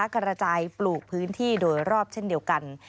กระจายปลูกพื้นที่โดยรอบเช่นเดียวกัน